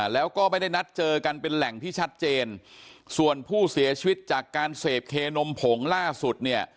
แล้วก็ไม่ได้นัดเจอกันเป็นแหล่งที่ชัดเจนส่วนผู้เสียชีวิตจากการเสพเคนมผงล่าสุดเนี่ย